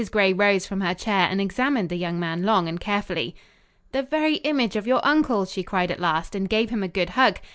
Gray rose from her chair and examined the young man long and carefully. "The very image of your uncle," she cried at last, and gave him a good hug.